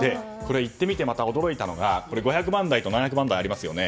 行ってみて驚いたのが５００番台、７００番台ってありますよね。